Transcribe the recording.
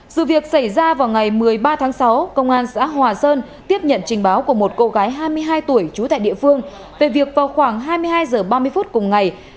sự việc xảy ra vào ngày một mươi ba tháng sáu công an xã hòa sơn tiếp nhận trình báo của một cô gái hai mươi hai tuổi trú tại địa phương về việc vào khoảng hai mươi hai h ba mươi phút cùng ngày